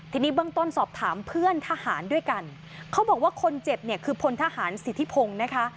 ทีนี้เบื้องต้นสอบถามเพื่อนทหารด้วยกันเขาบอกว่าคนเจ็บเนี่ยคือพลทหารสิทธิพงศ์นะคะ